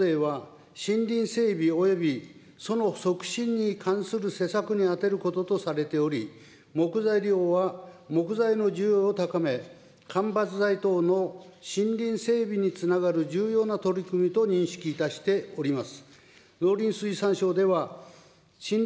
森林環境譲与税は森林整備およびその促進に関する施策に充てることとされており、木材利用は木材の需要を高め、かんばつ材等の森林整備につながる重要な取り組みと認識いたしております。